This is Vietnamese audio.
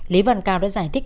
lý văn cao đã giải thích